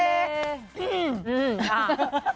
อื้ออื้ออ่า